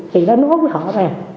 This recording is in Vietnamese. chị đã nói với họ rồi